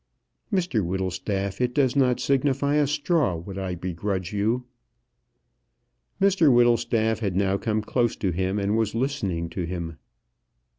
"Mr Whittlestaff, it does not signify a straw what I begrudge you." Mr Whittlestaff had now come close to him, and was listening to him.